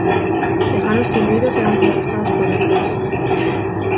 lejanos silbidos eran contestados por otros: